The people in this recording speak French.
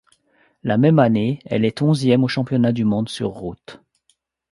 La même année, elle est onzième du championnat du monde sur route.